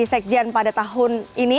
sekjen pada tahun ini